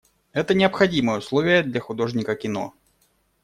Это необходимое условие для художника кино.